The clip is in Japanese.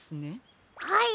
はい。